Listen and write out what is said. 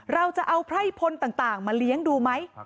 เราจะเอาไพร่พลต่างมาเลี้ยงดูไหม